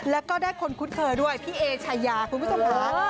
แล้วก็ได้คนคุ้นเคยด้วยพี่เอชายาคุณผู้ชมค่ะ